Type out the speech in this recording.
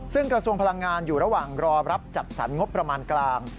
ซึ่งกระทรวงพลังงานอยู่ระหว่างรอรับจัดสรรงบประมาณกลาง